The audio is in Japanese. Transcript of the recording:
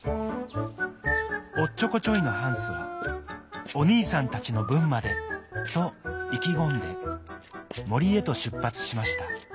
おっちょこちょいのハンスはおにいさんたちのぶんまで！といきごんでもりへとしゅっぱつしました。